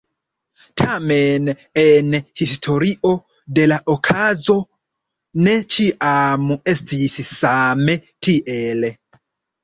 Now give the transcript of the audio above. Tamen en historio de la okazo ne ĉiam estis same tiel.